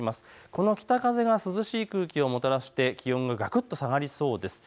この北風が涼しい空気をもたらして気温ががくっと下がりそうです。